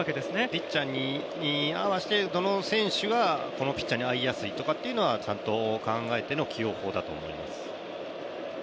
ピッチャーに合わせてどの選手がこのピッチャーに合いやすいとかっていうのは、ちゃんと考えての起用法だと思います。